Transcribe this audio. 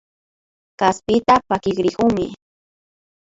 Kaspita pakirikunmi